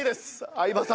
相葉さん。